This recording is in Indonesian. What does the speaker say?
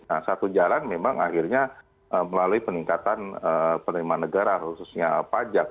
nah satu jalan memang akhirnya melalui peningkatan penerimaan negara khususnya pajak